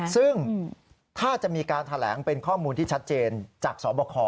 ซึ่งถ้าจะมีการแถลงเป็นข้อมูลที่ชัดเจนจากสบค